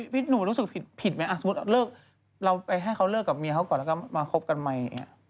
พี่หนูรู้สึกผิดไหมสมมุติเราไปให้เขาเลิกกับเมียเขาก่อนแล้วก็มาคบกันใหม่อย่างนี้